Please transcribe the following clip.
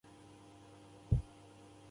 غول د غلط خوړو غبرګون دی.